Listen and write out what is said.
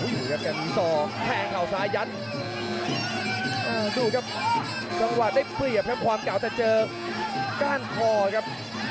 พยายามสอแทงเข่าซ้ายั้นดูครับจังหวะได้เปรียบครับความเก่าแต่เจอก้านคอครับ